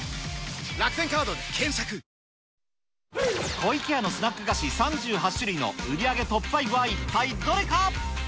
湖池屋のスナック菓子３８種類の売り上げトップ５は一体どれか。